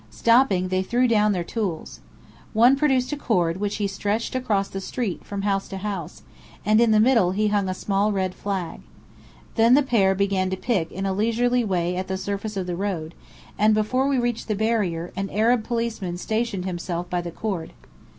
Stopping, they threw down their tools. One produced a cord which he stretched across the street from house to house; and in the middle he hung a small red flag. Then the pair began to pick in a leisurely way at the surface of the road, and before we reached the barrier, an Arab policeman stationed himself by the cord.